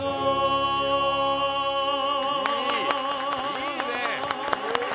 いいね！